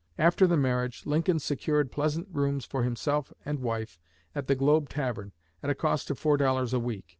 After the marriage Lincoln secured pleasant rooms for himself and wife at the Globe Tavern, at a cost of four dollars a week.